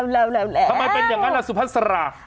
แล้วทำไมเป็นอย่างนั้นล่ะสุภัณฐ์สรรค